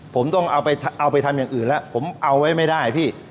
ผมต้องเอาไปทำอย่างอื่นแล้วผมเอาไว้ไม่ได้พี่